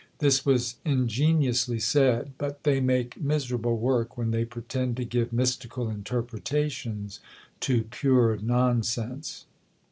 This was ingeniously said; but they make miserable work when they pretend to give mystical interpretations to pure nonsense.